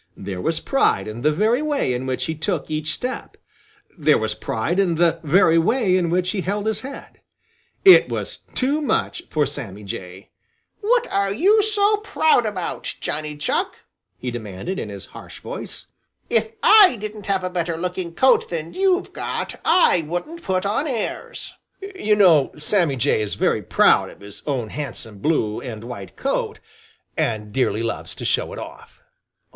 There was pride in the very way in which he took each step. There was pride in the very way in which he held his head. It was too much for Sammy Jay. "What are you so proud about, Johnny Chuck?" he demanded, in his harsh voice, "If I didn't have a better looking coat than you've got, I wouldn't put on airs!" You know Sammy Jay is very proud of his own handsome blue and white coat and dearly loves to show it off.